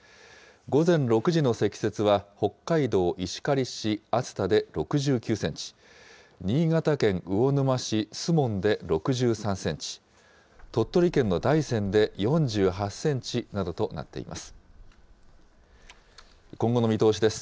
午前６時の積雪は、北海道石狩市厚田で６９センチ、新潟県魚沼市守門で６３センチ、鳥取県の大山で４８センチなどとなっています。